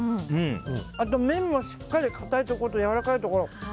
麺もしっかりかたいところとやわらかいところ。